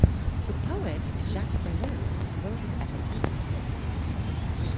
The poet Jacques Bereau wrote his epitaph.